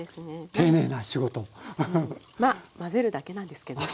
まあ混ぜるだけなんですけどね。